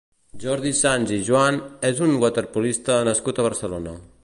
Jordi Sans i Juan és un waterpolista nascut a Barcelona.